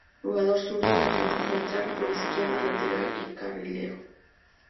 Jugador zurdo, defensa central, por izquierda lateral, y carrilero.